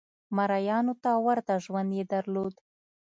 مریانو ته ورته ژوند یې درلود.